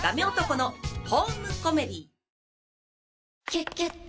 「キュキュット」